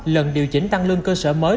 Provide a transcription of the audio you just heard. lần điều chỉnh tăng lương cơ sở mới